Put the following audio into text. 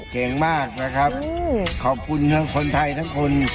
เก่งมากนะครับขอบคุณทั้งคนไทยทั้งคน